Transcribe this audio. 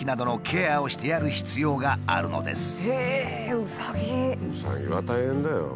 うさぎは大変だよ。